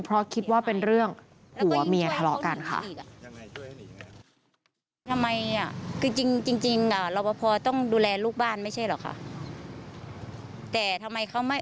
เพราะคิดว่าเป็นเรื่องผัวเมียทะเลาะกันค่ะ